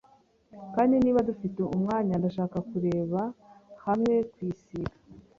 Kandi niba dufite umwanya, ndashaka kurebera hamwe kwisiga.